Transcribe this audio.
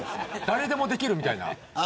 誰でもできるみたいな。